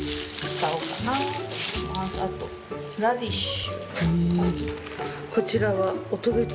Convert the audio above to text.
あとラディッシュ。